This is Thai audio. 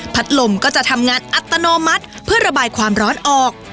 ลมก็จะทำงานอัตโนมัติเพื่อระบายความร้อนออก